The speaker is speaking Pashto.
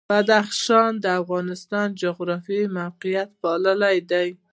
بدخشان د افغانستان د جغرافیایي موقیعت پایله ده.